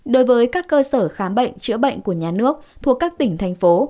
đối với các cơ sở khám bệnh chữa bệnh của nhà nước thuộc các tỉnh thành phố